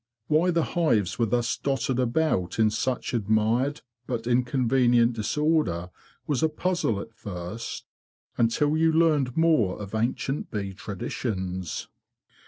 Why the hives were thus dotted about in such admired but inconvenient disorder was a puzzle at first, until you learned more of ancient bee traditions.